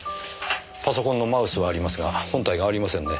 パソコンのマウスはありますが本体がありませんね。